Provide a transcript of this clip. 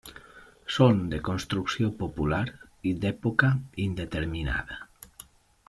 Són de construcció popular i d'època indeterminada.